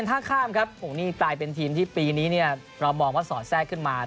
ล่ามปุงนี้กลายเป็นทีมที่ปีนี้เรามองว่าสอนแซ่ขึ้นมา